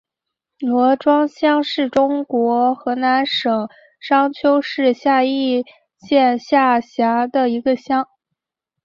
罗庄乡是中国河南省商丘市夏邑县下辖的一个乡。